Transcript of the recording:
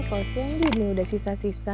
kalau sendiri nih udah sisa sisa